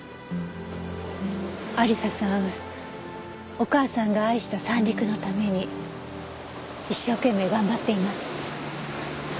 亜理紗さんお母さんが愛した三陸のために一生懸命頑張っています。